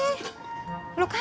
nih lauk buat ani